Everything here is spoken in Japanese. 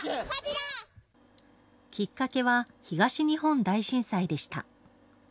きっかけは東日本大震災でした。